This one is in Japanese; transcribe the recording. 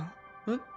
えっ？